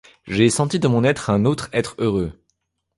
J’ai senti dans mon être un autre être heureux.